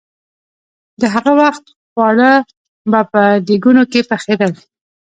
د هغه وخت خواړه به په دېګونو کې پخېدل.